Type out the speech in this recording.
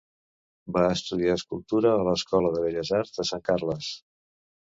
Va estudiar escultura a l'Escola de Belles Arts de Sant Carles.